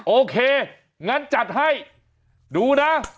โอเคงั้นจัดให้ดูนะ